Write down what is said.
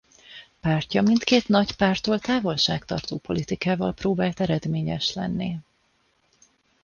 Pártja mindkét nagy párttól távolságtartó politikával próbált eredményes lenni.